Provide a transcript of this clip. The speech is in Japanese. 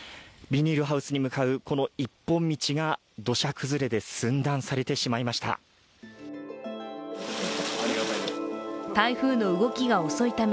ビニールハウスに向かうこの一本道が土砂崩れで寸断されてしまいました。